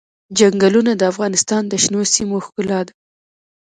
چنګلونه د افغانستان د شنو سیمو ښکلا ده.